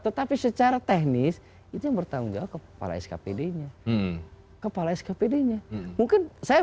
tetapi secara teknis itu yang bertanggung jawab kepala skpd nya kepala skpd nya mungkin saya